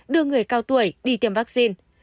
đưa người cao tuổi đi tiêm vaccine